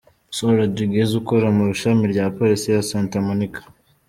Saul Rodriguez ukora mu Ishami rya Polisi ya Santa Monica.